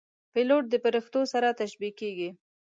پیلوټ د پرښتو سره تشبیه کېږي.